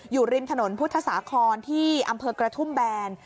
อยู่ริมถนนพุทธสาครที่อำเภอกระทุ่มแบน